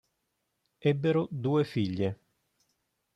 Ebbero due figlie;